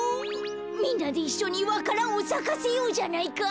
みんなでいっしょにわか蘭をさかせようじゃないか。